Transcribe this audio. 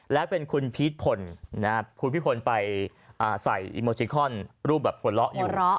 และเป็นคุณพีชพลคุณพี่พลไปใส่อีโมจิคอนรูปแบบหัวเราะอยู่